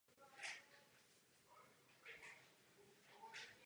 V obou případech Ptáček vyhrál.